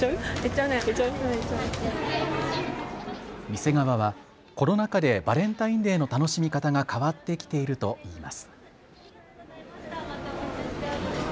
店側はコロナ禍でバレンタインデーの楽しみ方が変わってきているといいます。